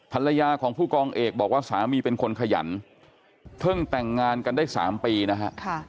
ภรรยาของผู้กองเอกบอกว่าสามีเป็นคนขยันเพิ่งแต่งงานกันได้๓ปีนะฮะ